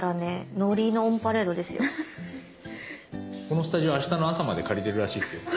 このスタジオあしたの朝まで借りてるらしいですよ。